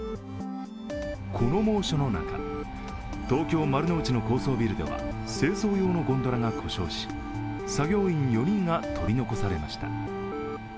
この猛暑の中、東京・丸の内の高層ビルでは清掃用のゴンドラが故障し作業員４人が取り残されました。